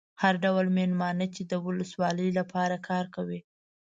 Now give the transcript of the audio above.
هر ډول مېلمانه چې د ولسوالۍ لپاره کار کوي.